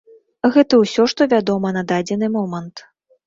Гэта ўсё, што вядома на дадзены момант.